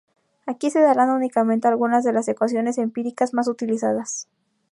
Aquí se darán únicamente algunas de las ecuaciones empíricas más utilizadas.